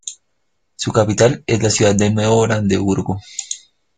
Su capital es la ciudad de Nuevo Brandeburgo.